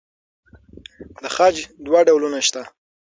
د خج دوه ډولونه شته.